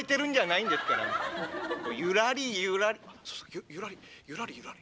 ゆゆらりゆらりゆられ。